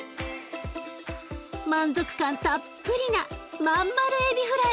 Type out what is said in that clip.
満足感たっぷりなまんまるエビフライ。